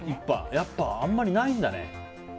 やっぱり、あまりないんだね。